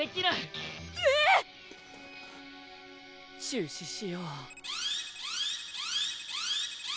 中止しよう。